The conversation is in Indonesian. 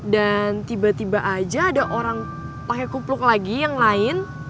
dan tiba tiba aja ada orang pake kupluk lagi yang lain